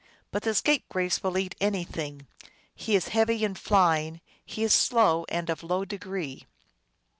But the Scapegrace will eat any thing ; he is heavy in flying ; he is slow and of low degree.